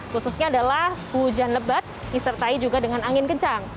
khususnya adalah hujan lebat disertai juga dengan angin kencang